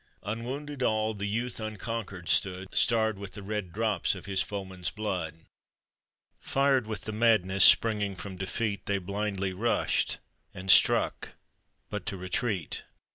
Unwounded all, the youth unconquered stood, Starred with the red drops of his foemen's blood ; Fired with the madness springing from defeat, They blindly rushed, and struck, but to re treat.